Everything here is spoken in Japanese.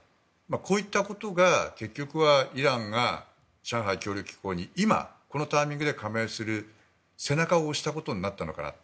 こういったことが結局はイランが上海協力機構に今このタイミングで加盟するという背中を押したことになったのかなと。